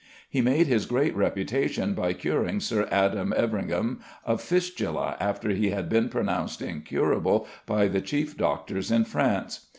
He made his great reputation by curing Sir Adam Everyngham of fistula after he had been pronounced incurable by the chief doctors in France.